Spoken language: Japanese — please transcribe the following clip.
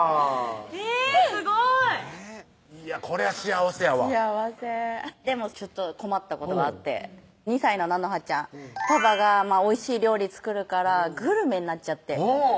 えぇすごいこれは幸せやわ幸せでもちょっと困ったことがあって２歳の菜乃葉ちゃんパパがおいしい料理作るからグルメになっちゃってうん！